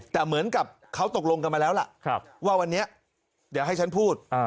แต่เหมือนกับเขาตกลงกันมาแล้วล่ะว่าวันนี้เดี๋ยวให้ฉันพูด